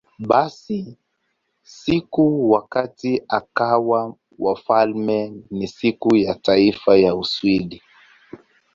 Basi, siku wakati akawa wafalme ni Siku ya Taifa ya Uswidi.